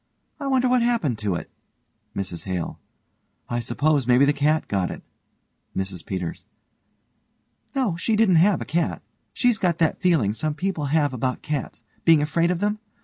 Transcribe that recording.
I wonder what happened to it. MRS HALE: I s'pose maybe the cat got it. MRS PETERS: No, she didn't have a cat. She's got that feeling some people have about cats being afraid of them.